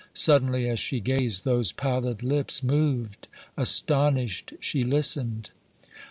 Suddenly, as she gazed, those pallid lips moved. Astonished, she listened.